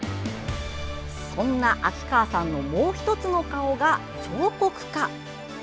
そんな秋川さんのもう１つの顔が彫刻家。